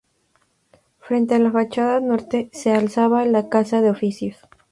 Frente a la fachada norte se alzaba la casa de oficios.